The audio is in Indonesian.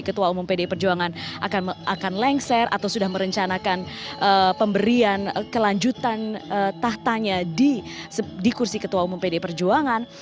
ketua umum pdi perjuangan akan lengser atau sudah merencanakan pemberian kelanjutan tahtanya di kursi ketua umum pdi perjuangan